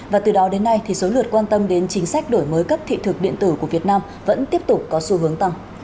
và từ đó đến nay số lượt quan tâm đến chính sách đổi mới cấp thị thực điện tử của việt nam vẫn tiếp tục có xu hướng tăng